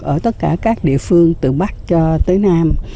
ở tất cả các địa phương từ bắc cho tới nam